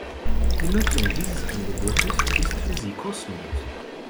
Die Nutzung dieses Angebotes ist für Sie kostenlos.